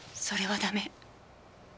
それはダメ。